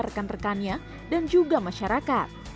rekan rekannya dan juga masyarakat